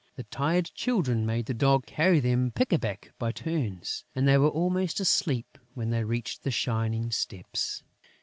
The tired Children made the Dog carry them pick a back by turns; and they were almost asleep when they reached the shining steps.